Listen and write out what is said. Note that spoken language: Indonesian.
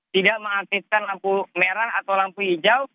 tidak mengaktifkan lampu merah atau lampu hijau